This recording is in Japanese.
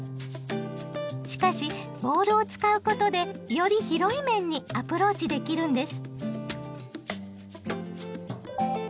しかしボールを使うことでより広い面にアプローチできるんです！